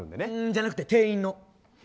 じゃなくて店員の。